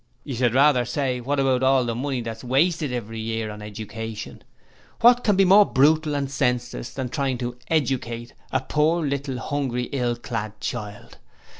'You should rather say "What about all the money that's wasted every year on education?" What can be more brutal and senseless than trying to "educate" a poor little, hungry, ill clad child?